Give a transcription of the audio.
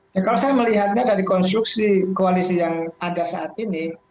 ya kalau saya melihatnya dari konstruksi koalisi yang ada saat ini